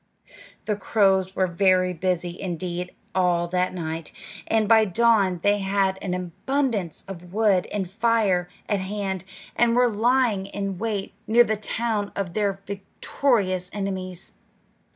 The crows were very busy indeed all that night, and by dawn they had an abundance of wood and fire at hand, and were lying in wait near the town of their victorious enemies.